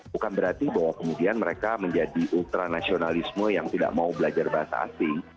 bukan berarti bahwa kemudian mereka menjadi ultra nasionalisme yang tidak mau belajar bahasa asing